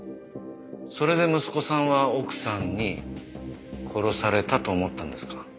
それで息子さんは奥さんに殺されたと思ったんですか。